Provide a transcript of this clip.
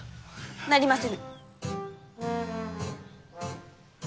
なりませぬ！